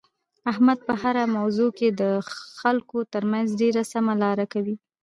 احمد په هره موضوع کې د خلکو ترمنځ ډېره سمه لاره کوي.